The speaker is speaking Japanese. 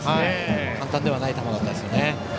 簡単ではない球だったですね。